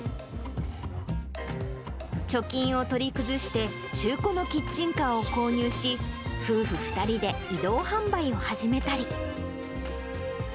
貯金を取り崩して、中古のキッチンカーを購入し、夫婦２人で移動販売を始めたり。